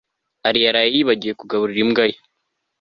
Alain yaraye yibagiwe kugaburira imbwa ye